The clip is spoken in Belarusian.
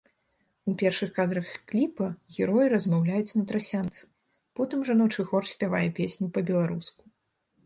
У першых кадрах кліпа героі размаўляюць на трасянцы, потым жаночы хор спявае песню па-беларуску.